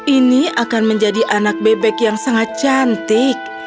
ini akan menjadi anak bebek yang sangat cantik